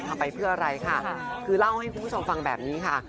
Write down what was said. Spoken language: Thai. ไปเพื่ออะไรค่ะคือเล่าให้คุณผู้ชมฟังแบบนี้ค่ะ